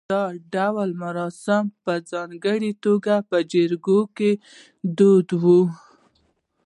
دا ډول مراسم په ځانګړې توګه په جریکو کې دود و